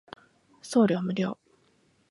送料無料